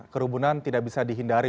kerubunan tidak bisa dihindari